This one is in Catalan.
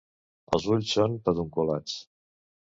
Els ulls són pedunculats.